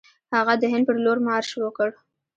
هغه د هند پر لور مارش وکړ.